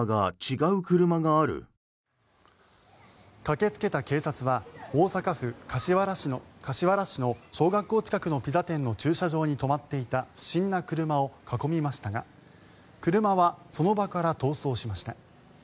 駆けつけた警察は大阪府柏原市の小学校近くのピザ店の駐車場に止まっていた不審な車を囲みましたが車はその場から逃走しました。